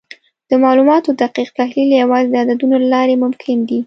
د معلوماتو دقیق تحلیل یوازې د عددونو له لارې ممکن دی.